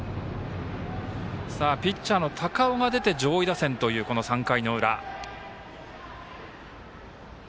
ピッチャーの高尾が出て上位打線という、この３回の裏。